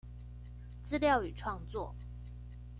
資料與創作